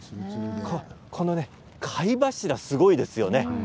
貝柱すごいですよね。